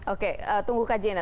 oke tunggu kajiannya